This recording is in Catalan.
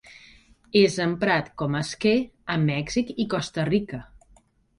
És emprat com a esquer a Mèxic i Costa Rica.